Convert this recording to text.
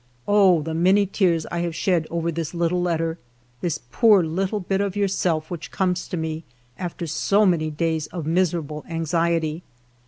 Oh, the many tears I have shed over this little letter, this poor little bit of yourself, which comes to me after so many days of miserable anxiety